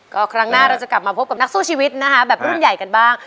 ก็ครั้งหน้าเราจะกลับมาพบกับนักสู้ชีวิตนะคะแบบรุ่นใหญ่กันบ้าง